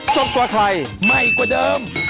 สดกว่าไทยใหม่กว่าเดิม